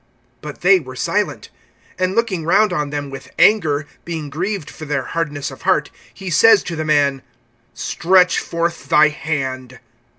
But they were silent. (5)And looking round on them with anger, being grieved for their hardness of heart, he says to the man: Stretch forth thy hand.